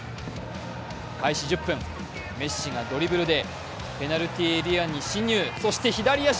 開始１０分、メッシがドリブルでペナルティエリアに進入、そして左足！